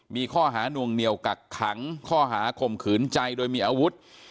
มีข้อหานวงเหนียวกักขังข้อหาข่มขืนใจโดยมีอาวุธ